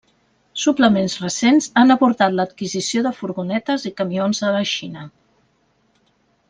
Suplements recents han abordat l'adquisició de furgonetes i camions de la Xina.